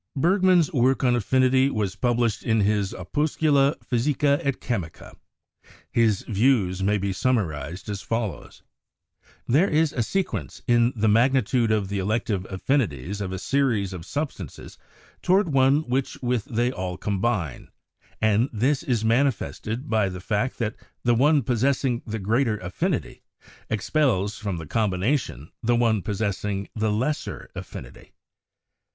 Bergman's work on affinity was published in his 'Opus cula physica et chemica.' His views may be summarized as follows: (1) There is a sequence in the magnitude of the elective affinities of a series of substances toward one with which they all combine, and this is manifested by the fact that the one possessing the greater affinity, expels from the combination the one possessing the lesser affinity.